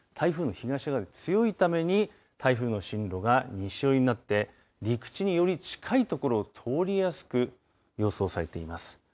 東側で強いために台風の進路が西寄りになって陸地により近いところを通りやすく予想されています。